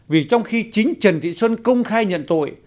vì trong khi chính trần thị xuân công khai nhận tội